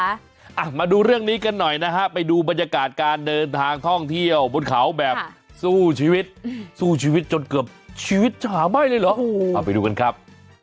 อ่ะมาดูเรื่องนี้กันหน่อยนะฮะไปดูบรรยากาศการเดินทางท่องเที่ยวบนเขาแบบสู้ชีวิตสู้ชีวิตจนเกือบชีวิตจะหาไหม้เลยเหรอโอ้โหเอาไปดูกันครับ